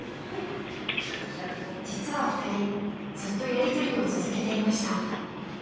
［実は２人ずっとやりとりを続けていました］